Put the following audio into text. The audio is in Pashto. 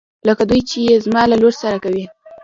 لکه دوی چې يې زما له لور سره کوي.